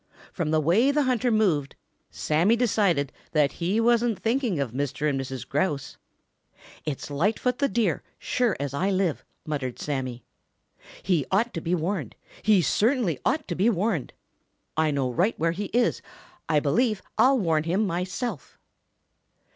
From the way the hunter moved, Sammy decided that he wasn't thinking of Mr. and Mrs. Grouse. "It's Lightfoot the Deer, sure as I live," muttered Sammy. "He ought to be warned. He certainly ought to be warned. I know right where he is. I believe I'll warn him myself."